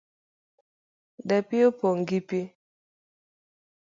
Dapii opong' gi pii